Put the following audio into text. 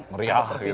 meriah gitu ya